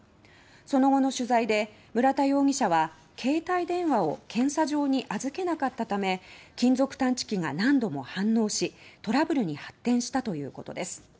その後の取材で村田容疑者は携帯電話を検査場に預けなかったため金属探知機が何度も反応しトラブルに発展したということです。